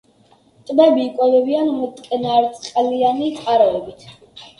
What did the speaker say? ტბები იკვებებიან მტკნარწყლიანი წყაროებით.